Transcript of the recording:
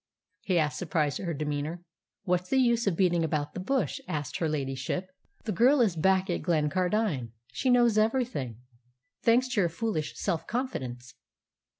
he asked, surprised at her demeanour. "What's the use of beating about the bush?" asked her ladyship. "The girl is back at Glencardine. She knows everything, thanks to your foolish self confidence."